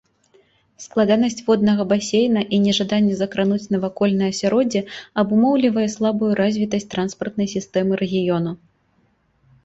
Складанасць воднага басейна і нежаданне закрануць навакольнае асяроддзе абумоўлівае слабую развітасць транспартнай сістэмы рэгіёну.